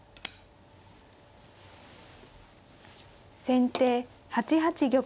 先手８八玉。